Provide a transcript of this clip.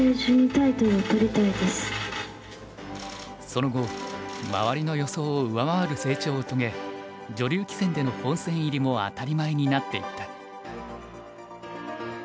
その後周りの予想を上回る成長を遂げ女流棋戦での本戦入りも当たり前になっていった。